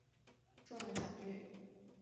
重要奖誉